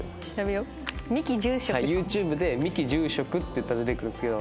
はいＹｏｕＴｕｂｅで「三木住職」って打ったら出てくるんですけど。